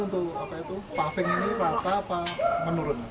terus paving ini rata atau menurun